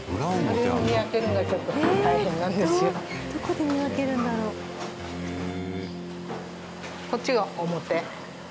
どこで見分けるんだろう？へえ。